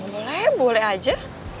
boleh boleh aja